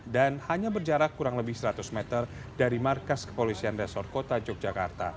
dan hanya berjarak kurang lebih seratus meter dari markas kepolisian resor kota yogyakarta